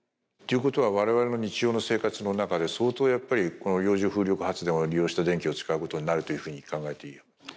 ということは我々の日常の生活の中で相当やっぱりこの洋上風力発電を利用して電気を使うことになるというふうに考えている。